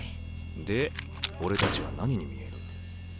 で俺たちは何に見える？